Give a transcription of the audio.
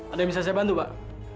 ada yang bisa saya bantu pak